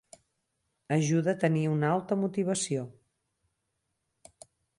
Ajuda a tenir una alta motivació.